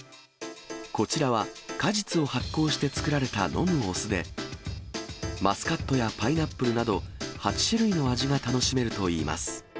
こちらは、果実を発酵してつくられた飲むお酢で、マスカットやパイナップルなど、８種類の味が楽しめるといいます。